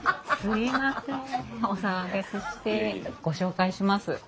ご紹介します。